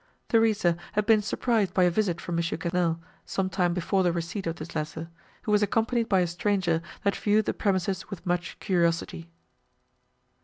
"Theresa had been surprised by a visit from M. Quesnel, some time before the receipt of this letter, who was accompanied by a stranger that viewed the premises with much curiosity."